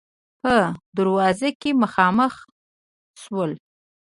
په دروازه کې مخامخ شولو.